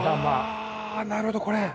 あなるほどこれ。